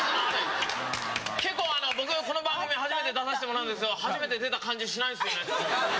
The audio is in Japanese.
結構あの僕この番組初めて出さしてもらうんですが初めて出た感じしないですね。